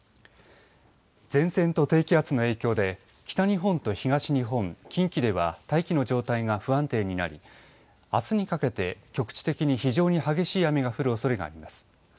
前線と低気圧の影響で北日本と東日本近畿では大気の状態が不安定になりあすにかけて局地的に非常に激しい雨が降るおそれがあります。